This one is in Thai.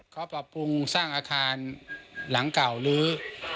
เขาปรับปรุงสร้างอาคารหลังเก่าลื้อ